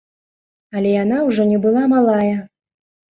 Але яна ўжо не была малая.